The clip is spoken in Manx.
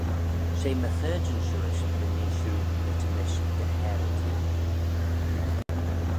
She my chaarjyn shiuish, my nee shiu ny ta mish dy harey diu.